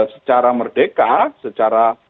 secara merdeka secara